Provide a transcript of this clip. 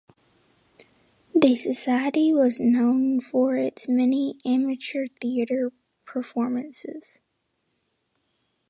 The society was known for its many amateur theater performances.